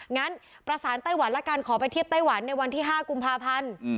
งั้นประสานไต้หวันละกันขอไปเทียบไต้หวันในวันที่๕กุมภาพันธ์